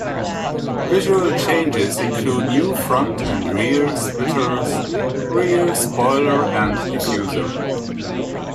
Visual changes include new front and rear splitters, rear spoiler and diffuser.